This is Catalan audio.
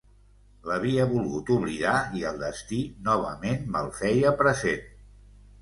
L'havia volgut oblidar i el destí novament me'l feia present.